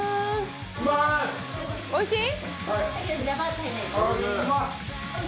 おいしい？